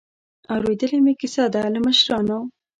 اورېدلې مې کیسه ده له مشرانو.